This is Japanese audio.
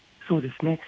そうですね。